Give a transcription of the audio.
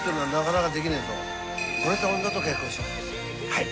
はい。